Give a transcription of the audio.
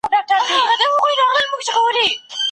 د احمدشاه بابا نوم به تل په تاریخ کې پاتې شي.